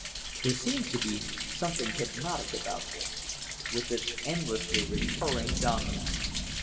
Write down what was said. There seems to be something hypnotic about this, with its endlessly recurring dominant.